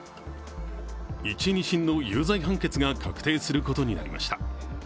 １・２審の有罪判決が確定することになりました。